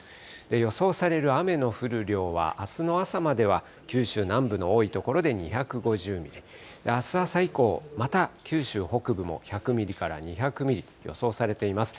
予想される雨の降る量は、あすの朝までは九州南部の多い所で２５０ミリ、あす朝以降、また九州北部も１００ミリから２００ミリと予想されています。